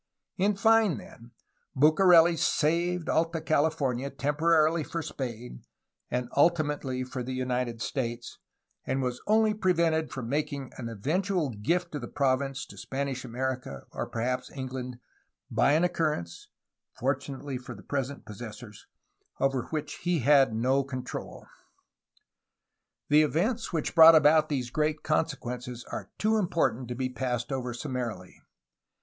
In fine, then, Bucareli saved Alta California temporarily for Spain and ultimately for the United States, and was only prevented from making an eventual gift of the province to Spanish America or perhaps England, by an occurrence — fortunately for the present possessors! — over which he had no control. The events which brought about these great consequences are too important to be passed over summarily.